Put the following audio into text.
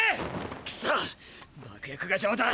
クソッ爆薬が邪魔だ！！